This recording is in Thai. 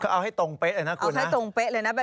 เอาให้ตรงเป๊ะเลยนะคุณให้ตรงเป๊ะเลยนะ